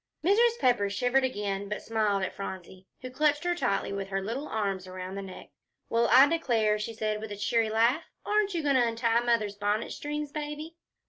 Mrs. Pepper shivered again, but smiled at Phronsie, who clutched her tightly with her little arms around the neck. "Well, I declare!" she said with a cheery laugh, "aren't you going to untie Mother's bonnet strings, Baby?"